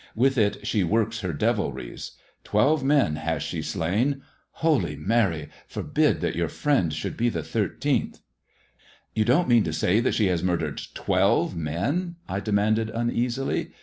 With it she works her devilries. Twelve i she slain. Holy Mary forbid that your friend should t the thirteenth !"" You don't mean to say that she has murdered tm men)" I demanded uneasily.